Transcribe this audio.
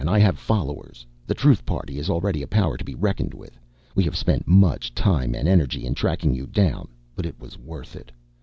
I have followers. The Truth Party is already a power to be reckoned with. We have spent much time and energy in tracking you down, but it was worth it.